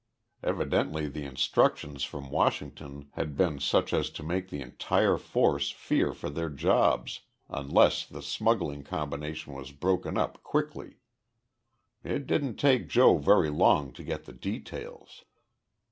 Evidently the instructions from Washington had been such as to make the entire force fear for their jobs unless the smuggling combination was broken up quickly. It didn't take Joe very long to get the details.